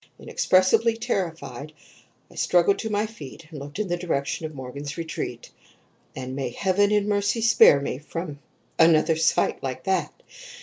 Inexpressibly terrified, I struggled to my feet and looked in the direction of Morgan's retreat; and may heaven in mercy spare me from another sight like that!